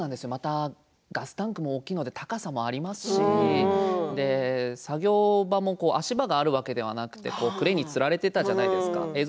ガスタンクも大きいので高さもありますし作業場も足場があるわけではなくてクレーンにつられていたじゃないですか。